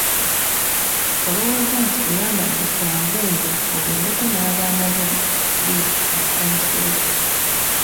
Olowooza nti oyambadde kyangungu ogendeko n’abaana bo ku bbiici obasanyuseeko.